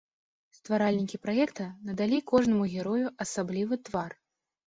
Стваральнікі праекта надалі кожнаму герою асаблівы твар.